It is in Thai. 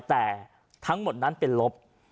แต่ทั้งหมดนั้นเป็นลบ